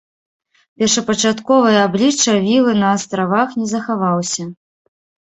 Першапачатковае аблічча вілы на астравах не захаваўся.